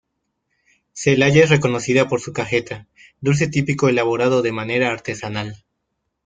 Celaya es reconocida por su cajeta, dulce típico elaborado de manera artesanal.